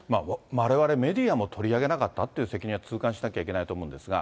われわれメディアも取り上げなかったって責任は痛感しなきゃいけないと思うんですが。